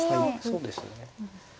そうですね。